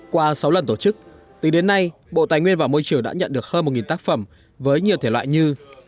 qua sáu lần tổ chức tính đến nay bộ tài nguyên và môi trường đã nhận được hơn một tác phẩm với nhiều thể loại như